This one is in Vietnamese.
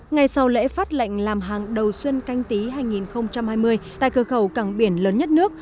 ngày sau lễ phát lệnh làm hàng đầu xuân canh tí hai nghìn hai mươi tại cửa khẩu cảng biển lớn nhất nước